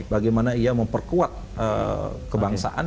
bagaimana ia memperkuat kebangsaan